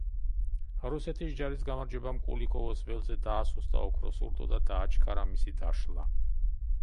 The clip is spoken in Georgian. რუსეთის ჯარის გამარჯვებამ კულიკოვოს ველზე დაასუსტა ოქროს ურდო და დააჩქარა მისი დაშლა.